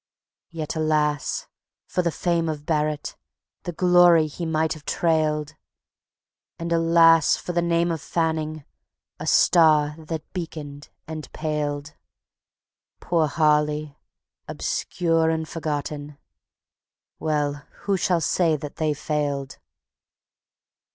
Yet, alas! for the fame of Barret, the glory he might have trailed! And alas! for the name of Fanning, a star that beaconed and paled, Poor Harley, obscure and forgotten. ... Well, who shall say that they failed!